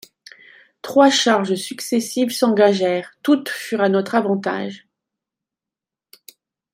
Trois charges successives s'engagèrent : toutes furent à notre avantage.